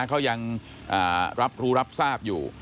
เขายังรับรู้รับทราบอยู่